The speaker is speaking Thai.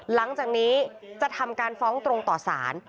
หลังจากนี้จะทำการฟ้องตรงต่อสาร